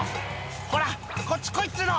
「ほらこっち来いっつうの！